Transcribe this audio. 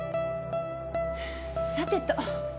さてと。